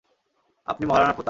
আপনি মহারানা প্রতাপ।